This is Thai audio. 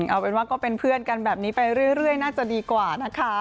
เอาเป็นว่าก็เป็นเพื่อนกันแบบนี้ไปเรื่อยน่าจะดีกว่านะคะ